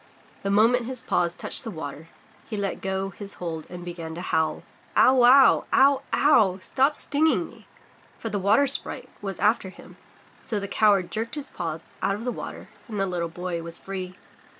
The moment his paws touched the water, he let go his hold and began to howl. "Ow wow! Ow! Ow! Stop stinging me! For the Water Sprite was after him, so the coward jerked his paws out of the water and the little Boy was free.